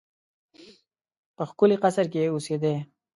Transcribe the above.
په ښکلي قصر کې اوسېدی.